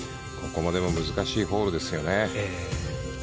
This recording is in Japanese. ここも難しいホールですよね。